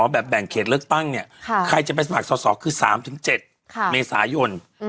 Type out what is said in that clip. แบ่งเขตเลือกตั้งเนี่ยใครจะไปสมัครสอบคือ๓๗เมษายน